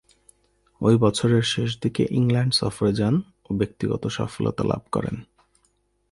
ঐ বছরের শেষদিকে ইংল্যান্ড সফরে যান ও ব্যক্তিগত সফলতা লাভ করেন।